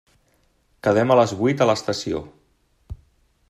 Quedem a les vuit a l'estació.